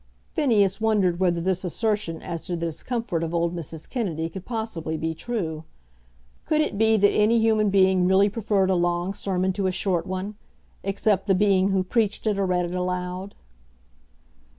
Phineas wondered whether this assertion as to the discomfort of old Mrs. Kennedy could possibly be true. Could it be that any human being really preferred a long sermon to a short one, except the being who preached it or read it aloud?